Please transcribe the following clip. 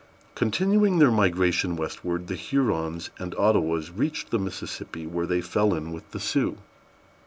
Continuing their migration westward, the Hurons and Ottawas reached the Mississippi, where they fell in with the Sioux.